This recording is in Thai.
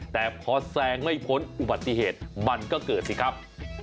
แต่พอแซงไม่พ้นอุบัติเหตุมันก็เกิดสิครับ